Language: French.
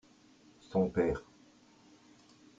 son père.